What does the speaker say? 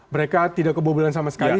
mereka tidak kebobolan sama sekali